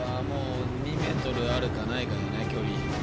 ・２ｍあるかないかだね距離。